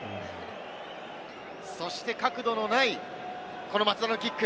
そして角度のない、この松田のキック。